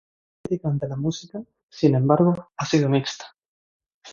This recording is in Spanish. La recepción crítica ante la música, sin embargo, ha sido mixta.